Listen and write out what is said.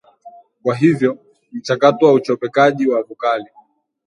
Kwa hivyo mchakato wa uchopekaji wa vokali